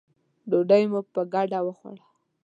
ډوډۍ مو په ګډه وخوړه.